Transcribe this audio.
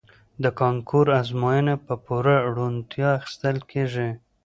د کانکور ازموینه په پوره روڼتیا اخیستل کیږي.